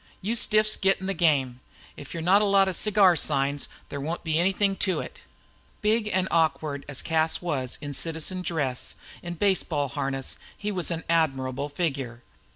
You stiffs get in the game. If you're not a lot of cigar signs there won't be anything to it." Big and awkward as Cas was in citizen dress, in baseball harness he made an admirable figure.